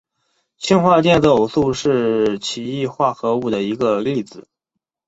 氢化电子偶素是奇异化合物的一个例子。